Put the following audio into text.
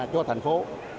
cho thành phố